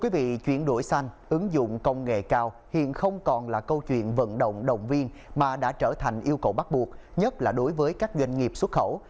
vì chuyển đổi xanh ứng dụng công nghệ cao hiện không còn là câu chuyện vận động động viên mà đã trở thành yêu cầu bắt buộc nhất là đối với các doanh nghiệp xuất khẩu